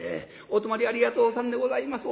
「お泊まりありがとうさんでございます。